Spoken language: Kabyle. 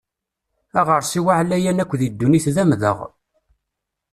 Aɣersiw aɛlayen akk deg ddunit d amdeɣ.